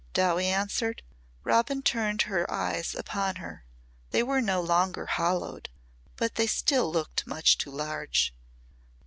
Dowie answered. Robin turned her eyes upon her. They were no longer hollowed, but they still looked much too large.